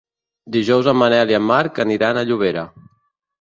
Dijous en Manel i en Marc aniran a Llobera.